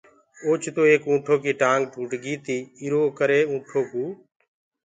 اوچتو ايڪ اُنٚٺو ڪيٚ ٽآنٚگ ٽوٽ گي تيٚ ايرو ڪري ُِانٚٺ ڪو